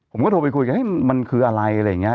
ผมก็โทรไปคุยกันมันคืออะไรอะไรอย่างนี้